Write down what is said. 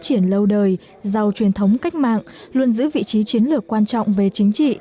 triển lâu đời giàu truyền thống cách mạng luôn giữ vị trí chiến lược quan trọng về chính trị